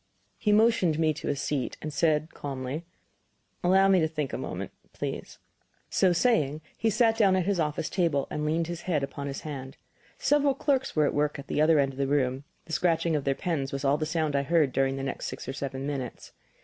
He motioned me to a seat, and said, calmly: "Allow me to think a moment, please." So saying, he sat down at his office table and leaned his head upon his hand. Several clerks were at work at the other end of the room; the scratching of their pens was all the sound I heard during the next six or seven minutes.